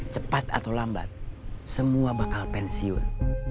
cepat atau lambat semua bakal pensiun